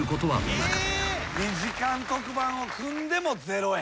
２時間特番を組んでもゼロ円。